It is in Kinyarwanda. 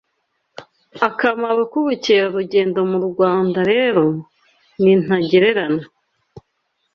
Akamaro k’ubukerarugendo mu Rwanda rero ni ntagereranywa